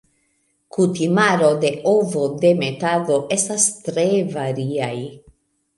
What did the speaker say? Kutimaro de ovodemetado estas tre variaj.